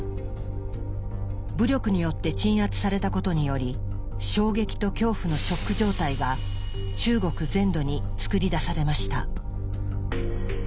武力によって鎮圧されたことにより「衝撃と恐怖」のショック状態が中国全土に作り出されました。